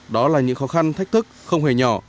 đó là những khó khăn thách thức không hề nhỏ